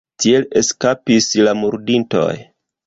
Tiel eskapis la murdintoj.